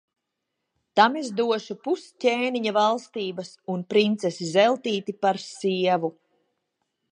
Tam es došu pus ķēniņa valstības un princesi Zeltīti par sievu.